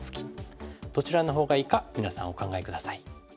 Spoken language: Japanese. どちらのほうがいいか皆さんお考え下さい。